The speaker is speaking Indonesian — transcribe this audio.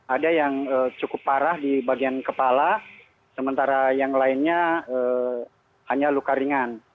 ada yang cukup parah di bagian kepala sementara yang lainnya hanya luka ringan